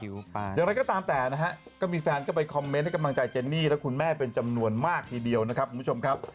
อย่างไรก็ตามแต่นะฮะก็มีแฟนก็ไปคอมเมนต์ให้กำลังใจเจนนี่และคุณแม่เป็นจำนวนมากทีเดียวนะครับคุณผู้ชมครับ